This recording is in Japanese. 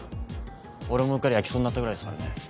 俺もうっかりやきそうになったぐらいですからね。